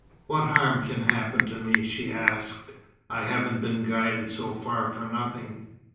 "What harm can happen to me?" she asked. "I haven't been guided so far for nothing.